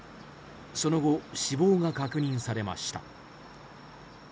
その後、死亡が確認されました。